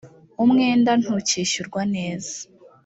umwenda ntucyishyurwa neza